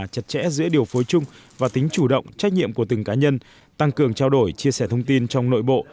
chặt chẽ giữa điều phối chung và tính chủ động trách nhiệm của từng cá nhân tăng cường trao đổi chia sẻ thông tin trong nội bộ